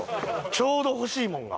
ちょうど欲しいもんが。